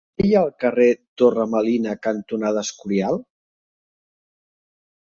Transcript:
Què hi ha al carrer Torre Melina cantonada Escorial?